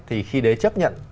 thì khi đấy chấp nhận